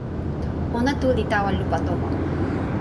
ona tu li tawa lupa tomo.